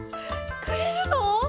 くれるの？